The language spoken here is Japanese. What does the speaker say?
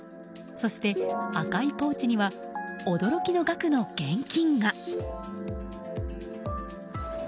そして赤いポーチには驚きの額の現金が！